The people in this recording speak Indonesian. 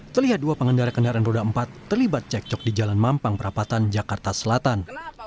terlihat dua pengendara kendaraan roda empat terlibat cekcok di jalan mampang perapatan jakarta selatan